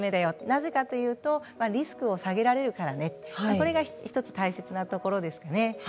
なぜかというとリスクを下げられるからねというのが、これが１つ大切なところですね。